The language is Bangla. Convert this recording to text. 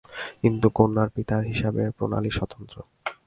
কিন্তু কন্যার পিতার হিসাবের প্রণালী স্বতন্ত্র।